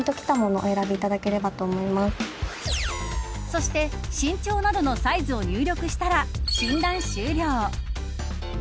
そして、身長などのサイズを入力したら診断終了。